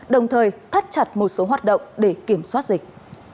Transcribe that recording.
đồng thời thắt chặt một số hoạt động để kiểm soát dịch